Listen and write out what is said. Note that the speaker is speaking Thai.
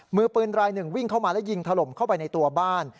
มือปืนรายหนึ่งวิ่งเข้ามาและยิงถล่มเข้าไปในตัวบ้าน